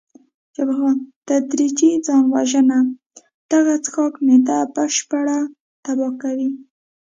جبار خان: تدریجي ځان وژنه، دغه څښاک معده بشپړه تباه کوي.